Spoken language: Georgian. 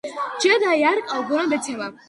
ჯედაი არკა უგონოდ ეცემა.